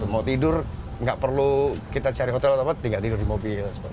mau tidur nggak perlu kita cari hotel atau apa tinggal tidur di mobil